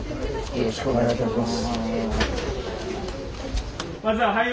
よろしくお願いします。